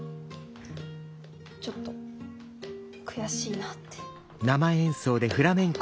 ちょっと悔しいなって。